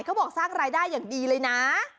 เขาบอกสร้างรายได้อย่างดีเลยนะ